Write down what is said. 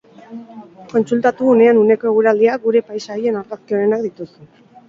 Kontsultatu unean uneko eguraldia gure paisaien argazki onenak dituzu.